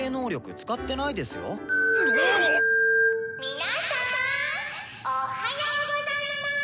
「皆さんおっはようございます！